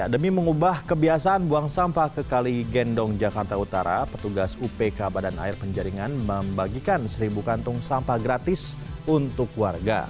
demi mengubah kebiasaan buang sampah ke kali gendong jakarta utara petugas upk badan air penjaringan membagikan seribu kantung sampah gratis untuk warga